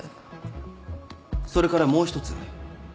それからもう一つ。